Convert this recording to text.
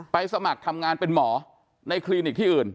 สมัครทำงานเป็นหมอในคลินิกที่อื่น